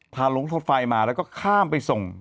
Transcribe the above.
ลงรถไฟมาแล้วก็ข้ามไปส่ง